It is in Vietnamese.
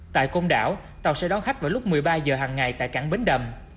tại cùng đảo tàu sẽ đón khách vào lúc một mươi ba h hàng ngày tại cảng bến đầm